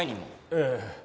ええ。